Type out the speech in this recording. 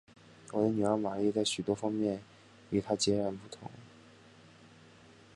我的女儿玛丽在许多方面与她则截然不同。